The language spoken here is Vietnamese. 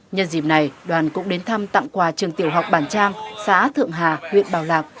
nhân dịp này đoàn cũng đến thăm tặng quà trường tiểu học bản trang xã thượng hà huyện bảo lạc